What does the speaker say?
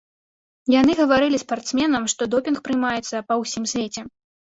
Яны гаварылі спартсменам, што допінг прымаецца па ўсім свеце.